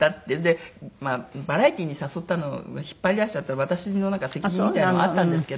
まあバラエティーに誘ったの引っ張り出しちゃったのは私の責任みたいなのもあったんですけど。